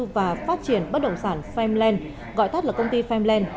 và phát triển bất động sản phamland gọi tắt là công ty phamland